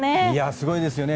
すごいですよね！